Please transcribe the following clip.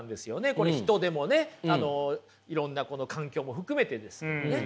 これ人でもねあのいろんな環境も含めてですもんね。